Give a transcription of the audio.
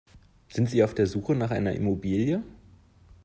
Sind Sie auf der Suche nach einer Immobilie?